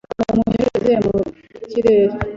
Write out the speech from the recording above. reporo muyohereze mu kerere.